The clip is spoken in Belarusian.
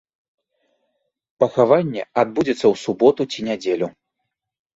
Пахаванне адбудзецца ў суботу ці нядзелю.